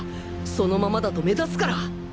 そのままだと目立つから！